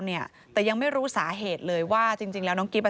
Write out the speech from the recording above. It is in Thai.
เนี่ยแต่ยังไม่รู้สาเหตุเลยว่าจริงจริงแล้วน้องกิ๊บอ่ะ